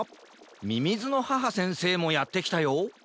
みみずのはは先生もやってきたよ